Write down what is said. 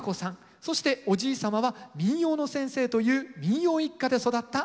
そしておじい様は民謡の先生という民謡一家で育った荒さん。